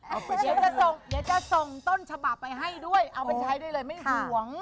เดี๋ยวจะส่งต้นฉบับไปให้ด้วยเอาไปใช้ได้เลยไม่ห่วง